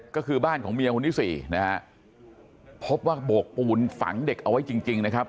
ก็คือบ้านของเมียคนที่สี่นะฮะพบว่าโบกปูนฝังเด็กเอาไว้จริงจริงนะครับ